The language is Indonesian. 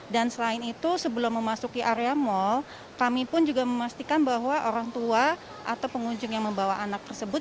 dan selain itu sebelum memasuki area mal kami pun juga memastikan bahwa orang tua atau pengunjung yang membawa anak tersebut